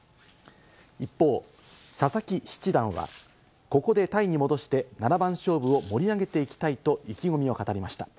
一方、佐々木七段はここでタイに戻して七番勝負を盛り上げていきたいと意気込みを語りました。